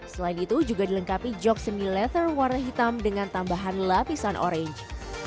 selain itu juga dilengkapi jog semi letter warna hitam dengan tambahan lapisan orange